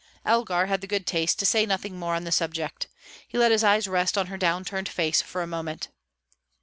Elgar had the good taste to say nothing more on the subject. He let his eyes rest on her down turned face for a moment.